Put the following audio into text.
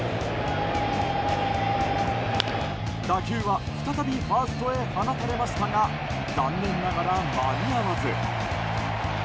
打球は、再びファーストへ放たれましたが残念ながら間に合わず。